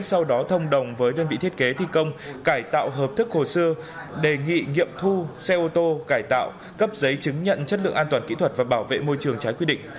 sau đó thông đồng với đơn vị thiết kế thi công cải tạo hợp thức hồ sơ đề nghị nghiệm thu xe ô tô cải tạo cấp giấy chứng nhận chất lượng an toàn kỹ thuật và bảo vệ môi trường trái quy định